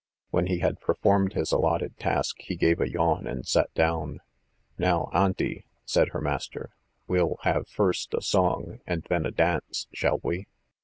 When he had performed his allotted task, he gave a yawn and sat down. "Now, Auntie!" said her master, "we'll have first a song, and then a dance, shall we?"